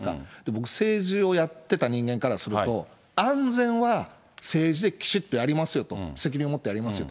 僕、政治をやってた人間からすると、安全は政治できちっとやりますよと、責任を持ってやりますよ。